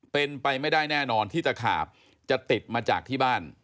เป็นไปไม่ได้แน่นอนที่ตะขาบจะติดมาจากที่บ้าน